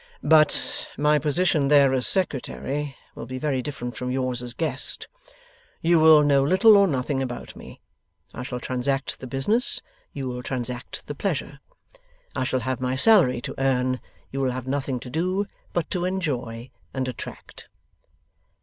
'But my position there as Secretary, will be very different from yours as guest. You will know little or nothing about me. I shall transact the business: you will transact the pleasure. I shall have my salary to earn; you will have nothing to do but to enjoy and attract.